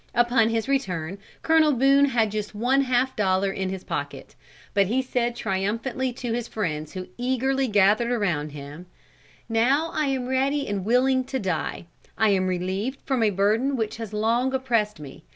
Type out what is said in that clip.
Upon his return, Colonel Boone had just one half dollar in his pocket. But he said triumphantly to his friends who eagerly gathered around him: "Now I am ready and willing to die. I am relieved from a burden which has long oppressed me.